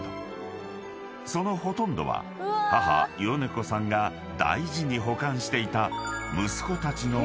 ［そのほとんどは母米子さんが大事に保管していた］